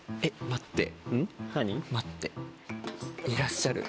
待っていらっしゃる。